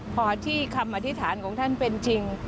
พอที่คำอธิษฐานของท่านเป็นจริง